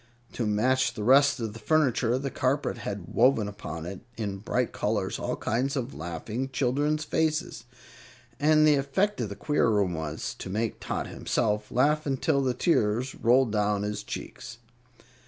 To match the rest of the furniture, the carpet had woven upon it in bright colors all kinds of laughing children's faces, and the effect of the queer room was to make Tot himself laugh until the tears roll down his cheeks.